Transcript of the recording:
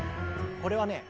これはね